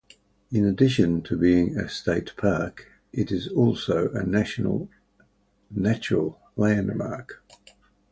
In addition to being a state park, it is also a National Natural Landmark.